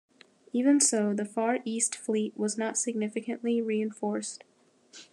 Even so, the Far East Fleet was not significantly reinforced.